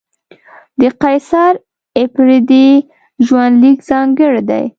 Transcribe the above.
د قیصر اپریدي ژوند لیک ځانګړی دی.